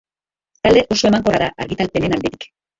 Talde oso emankorra da argitalpenen aldetik.